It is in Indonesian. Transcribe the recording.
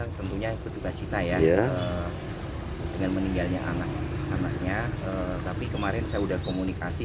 tentunya berduka cita ya dengan meninggalnya anak anaknya tapi kemarin saya sudah komunikasi